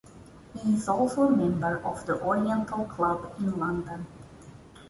He is also a member of the Oriental Club in London.